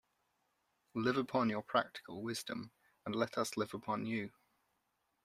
Live upon your practical wisdom, and let us live upon you!